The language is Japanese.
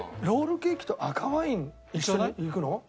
ロールケーキと赤ワイン一緒にいくの？